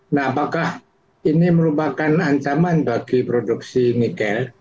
nah apakah ini merupakan ancaman bagi produksi nikel